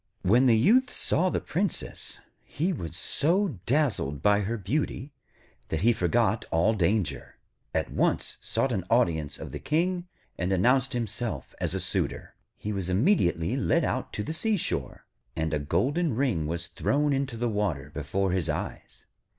When the Youth saw the Princess, he was so dazzled by her beauty that he forgot all danger, at once sought an audience of the King, and announced himself as a suitor. He was immediately led out to the seashore, and a golden ring was thrown into the water before his eyes.